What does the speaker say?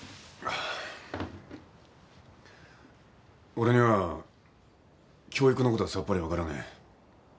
俺には教育のことはさっぱり分からねえ。